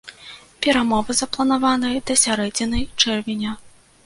Перамовы запланаваныя да сярэдзіны чэрвеня.